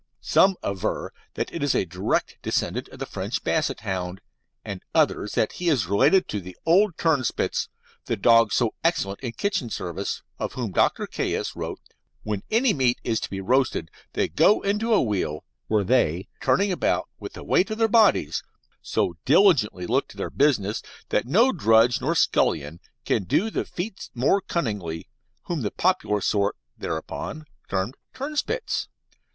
Some aver that it is a direct descendant of the French Basset hound, and others that he is related to the old Turnspits the dogs so excellent in kitchen service, of whom Dr. Caius wrote that "when any meat is to be roasted they go into a wheel, where they, turning about with the weight of their bodies, so diligently look to their business that no drudge nor scullion can do the feat more cunningly, whom the popular sort hereupon term Turnspits."